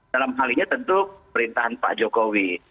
dalam hal ini tentu perintahan pak jokowi